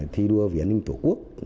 thi đua về an ninh tổ quốc